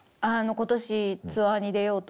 今年ツアーに出ようと。